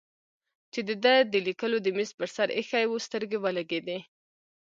چې د ده د لیکلو د مېز پر سر ایښی و سترګې ولګېدې.